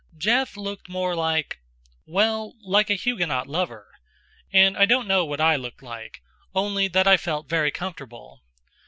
Jeff looked more like well, like a Huguenot Lover; and I don't know what I looked like, only that I felt very comfortable.